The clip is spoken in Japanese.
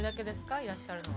いらっしゃるのは。